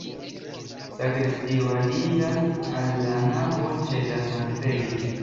Sakristio aliĝas al la navo ĉe la sanktejo.